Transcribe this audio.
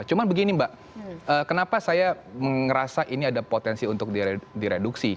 cuma begini mbak kenapa saya merasa ini ada potensi untuk direduksi